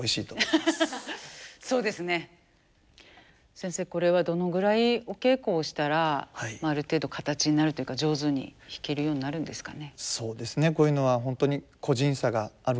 先生これはどのぐらいお稽古をしたらある程度形になるというか上手に弾けるようになるんですかね。